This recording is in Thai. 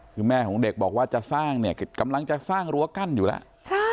คือแม่ของเด็กบอกว่าจะสร้างเนี่ยกำลังจะสร้างรั้วกั้นอยู่แล้ว